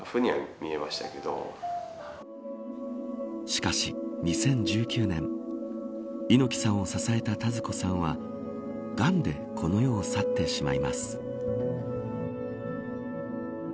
しかし、２０１９年猪木さんを支えた田鶴子さんはがんでこの世を去ってしまいます。